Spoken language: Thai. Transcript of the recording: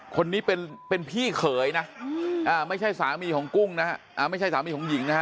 คนนี้เป็นพี่เขยนะไม่ใช่สามีของกุ้งนะฮะไม่ใช่สามีของหญิงนะฮะ